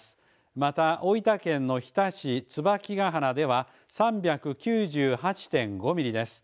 また大分県の日田市椿ヶ鼻では３９８．５ミリです。